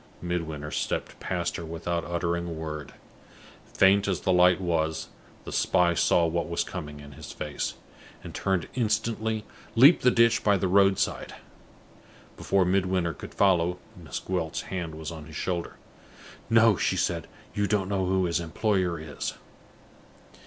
Midwinter stepped past her without uttering a word. Faint as the light was, the spy saw what was coming in his face, and, turning instantly, leaped the ditch by the road side. Before Midwinter could follow, Miss Gwilt's hand was on his shoulder. "No," she said, "you don't know who his employer is."